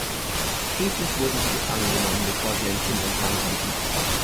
Schließlich wurden sie gefangen genommen, bevor sie ein Kind empfangen konnten.